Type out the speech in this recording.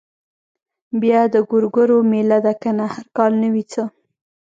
بيا د ګورګورو مېله ده کنه هر کال نه وي څه.